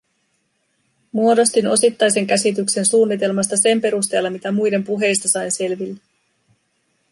Muodostin osittaisen käsityksen suunnitelmasta sen perusteella, mitä muiden puheista sain selville.